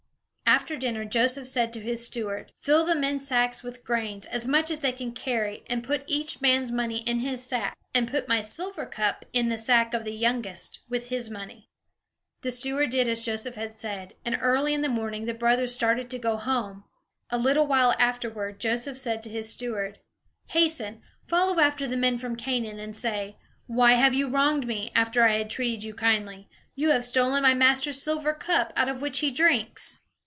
After dinner, Joseph said to his steward: "Fill the men's sacks with grain, as much as they can carry, and put each man's money in his sack. And put my silver cup in the sack of the youngest, with his money." The steward did as Joseph had said; and early in the morning the brothers started to go home. A little while afterward, Joseph said to his steward: "Hasten, follow after the men from Canaan, and say, 'Why have you wronged me, after I had treated you kindly? You have stolen my master's silver cup, out of which he drinks'."